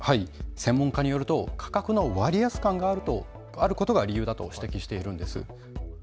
専門家によると価格の割安感があることが理由だと指摘しています。